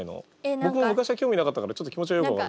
僕も昔は興味なかったからちょっと気持ちはよく分かるよ。